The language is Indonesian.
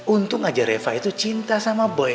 untung aja reva itu cinta sama boy